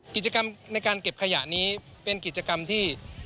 กิจกรรมในการเก็บขยะนี้เป็นกิจกรรมที่